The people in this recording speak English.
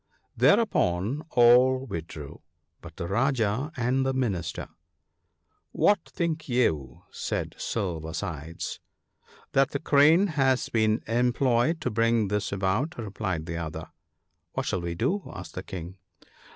Thereupon all withdrew, but the Rajah and the Minister. " What think you ?" said Silver sides. " That the Crane has been employed to bring this about," replied the other. " What shall we do ?" asked the King.